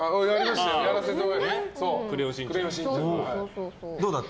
やらせてもらいました。